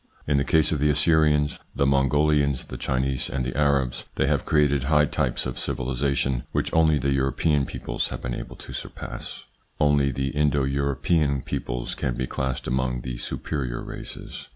In the case of the Assyrians, the Mongolians, the Chinese, and the Arabs, they have created high types of civilisation, which only the European peoples have been able to surpass. Only the Indo European peoples can be classed among the superior races.